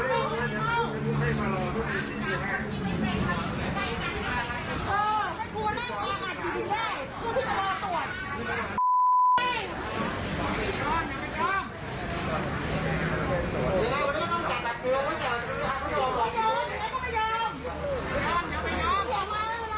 ยังไงพระองษ์ก็ไม่ยอมไม่ยอม